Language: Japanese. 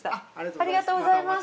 ありがとうございます。